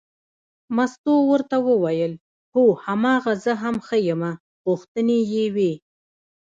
مستو ورته وویل هو هماغه زه هم ښیمه غوښتنې یې وې.